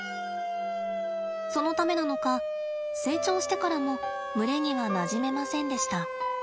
そのためなのか成長してからも群れにはなじめませんでした。